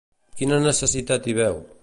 Quina necessitat hi veu?